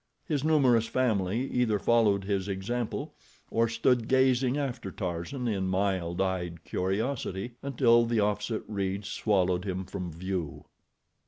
His numerous family either followed his example or stood gazing after Tarzan in mild eyed curiosity, until the opposite reeds swallowed him from view.